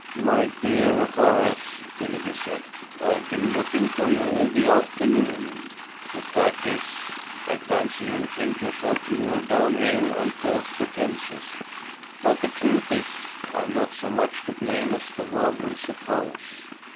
"My dear Horace," Willoughby said, "I've been looking for you all the afternoon. The fact is I fancy you'll think yourself lured down here on false pretences: but the truth is, I am not so much to blame as the world will suppose.